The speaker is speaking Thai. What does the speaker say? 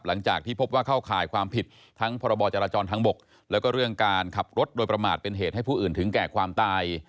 หลังจากที่พบว่าเข้าข่ายความผิดทั้งพรบจราจรทางบกแล้วก็เรื่องการขับรถโดยประมาทเป็นเหตุให้ผู้อื่นถึงแก่ความตาย